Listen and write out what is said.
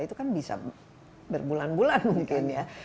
itu kan bisa berbulan bulan mungkin ya